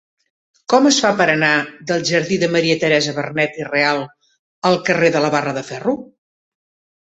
Com es fa per anar del jardí de Maria Teresa Vernet i Real al carrer de la Barra de Ferro?